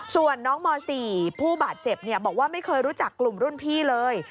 ส่วนน้องม๔ผู้บาดเจ็บบอกว่าไม่เคยรู้จักกลุ่มรุ่นพี่เลย